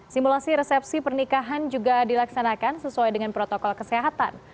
simulasi resepsi pernikahan juga dilaksanakan sesuai dengan protokol kesehatan